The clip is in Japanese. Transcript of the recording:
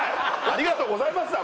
「ありがとうございます」だろ？